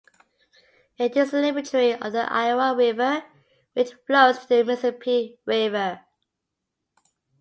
It is a tributary of the Iowa River, which flows to the Mississippi River.